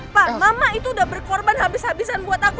pak mama itu udah berkorban habis habisan buat aku